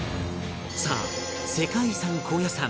さあ世界遺産高野山